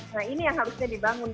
nah ini yang harusnya dibangun